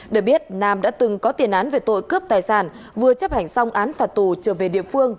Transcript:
để biết nam đã từng có tiền án về tội cướp tài sản vừa chấp hành xong án phạt tù trở về địa phương